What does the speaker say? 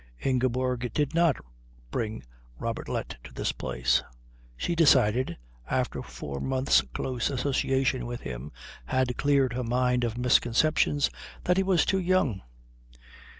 Ingeborg did not bring Robertlet to this place. She decided, after four months' close association with him had cleared her mind of misconceptions, that he was too young.